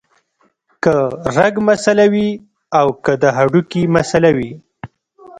کۀ رګ مسئله وي او کۀ د هډوکي مسئله وي